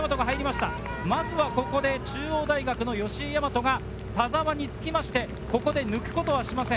まずはここで中央大の吉居大和が田澤について、抜くことはしません。